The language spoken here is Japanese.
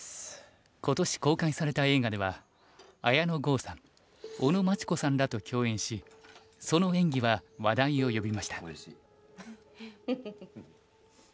今年公開された映画では綾野剛さん尾野真千子さんらと共演しその演技は話題を呼びました。